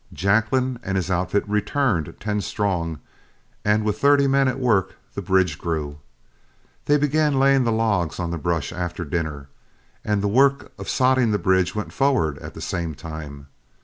Jacklin and his outfit returned, ten strong, and with thirty men at work, the bridge grew. They began laying the logs on the brush after dinner, and the work of sodding the bridge went forward at the same time.